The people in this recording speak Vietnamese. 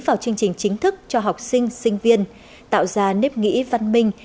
vào chương trình chính thức cho học sinh sinh viên tạo ra nếp nghĩ văn minh